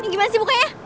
gimana sih bukanya